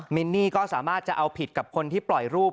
มินนี่ก็สามารถจะเอาผิดกับคนที่ปล่อยรูป